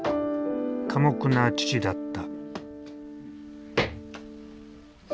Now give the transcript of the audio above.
寡黙な父だった。